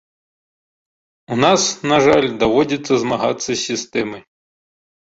У нас, на жаль, даводзіцца змагацца з сістэмай.